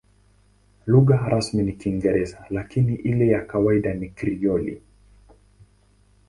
Lugha rasmi ni Kiingereza, lakini ile ya kawaida ni Krioli.